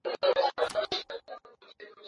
Tulitoa maoni yetu kuhusu ufisadi